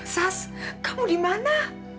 sas kamu di mana